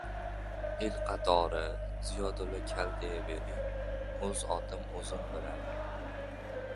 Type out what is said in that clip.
— El qatori Ziyodulla kal deya bering. O‘z otim o‘zim bilan...